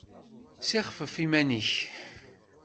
Ssixfef iman-nnek!